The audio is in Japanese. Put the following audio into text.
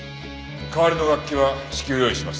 代わりの楽器は至急用意します。